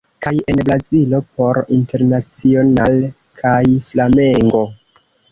Kaj en Brazilo por Internacional kaj Flamengo.